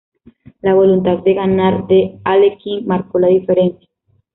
La voluntad de ganar de Alekhine marcó la diferencia.